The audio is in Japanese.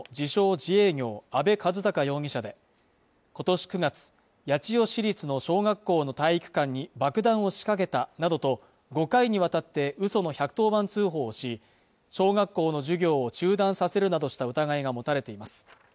自営業阿部一貴容疑者で今年９月八千代市立の小学校の体育館に爆弾を仕掛けたなどと５回にわたって嘘の１１０番通報し小学校の授業を中断させるなどした疑いが持たれています